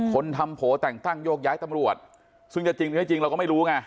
คนทำโผล่แต่งตั้งโยกย้ายตำรวจซึ่งจะจริงหรือไม่จริงเราก็ไม่รู้ไง